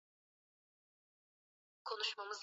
la moja kwa moja la kila Mturuki